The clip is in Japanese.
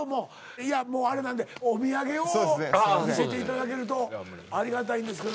いやもうあれなんでお土産を見せていただけるとありがたいんですけど。